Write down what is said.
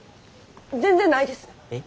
全然ないです。